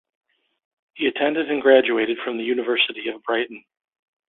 He attended and graduated from the University of Brighton.